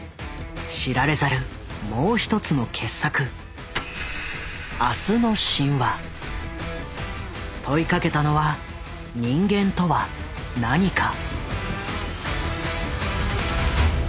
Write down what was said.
知られざるもう一つの傑作問いかけたのは人間とは何か。